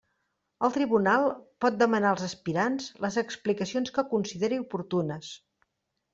El tribunal pot demanar als aspirants les explicacions que consideri oportunes.